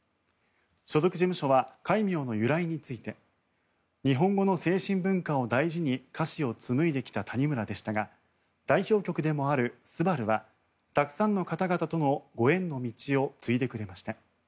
所属事務所は戒名の由来について日本語の精神文化を大事に歌詞を紡いできた谷村でしたが代表曲でもある「昴−すばるー」はたくさんの方々とのご縁の道を継いでくれました。